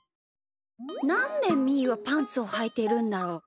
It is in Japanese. なんでみーはパンツをはいてるんだろう？